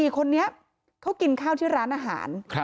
๔คนนี้เขากินข้าวที่ร้านอาหาร